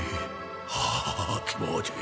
はあ気持ちいい。